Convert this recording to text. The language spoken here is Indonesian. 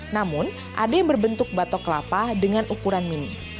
namun ada yang berbentuk batok kelapa dengan ukuran mini